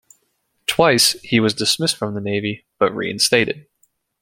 Twice, he was dismissed from the Navy, but reinstated.